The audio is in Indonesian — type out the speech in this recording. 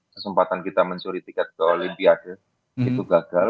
kesempatan kita mencuri tiket ke olimpiade itu gagal